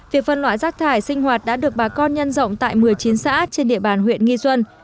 việc phân loại rác thải sinh hoạt đã được bà con nhân rộng tại một mươi chín xã trên địa bàn huyện nghi xuân